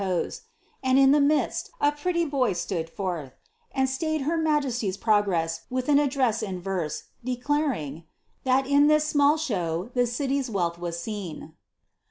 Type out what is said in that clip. __ and in the midst a pretty boy stood forth," and stayed her majesty's progress with an address in verse, declaring, that in this ^^ small show, the ciiy^s wealth was seen."